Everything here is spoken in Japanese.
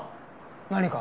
何か？